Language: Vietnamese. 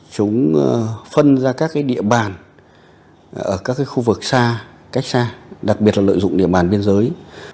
chúng phân ra các địa bàn ở các khu vực xa cách xa đặc biệt là lợi dụng địa bàn biên giới